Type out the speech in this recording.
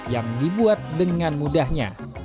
yang dibuat dengan mudahnya